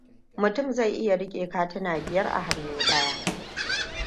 Mutum zai iya rike katina biyar a hannu ɗaya.